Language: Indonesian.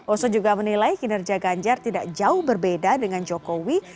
oso juga menilai kinerja ganjar tidak jauh berbeda dengan jokowi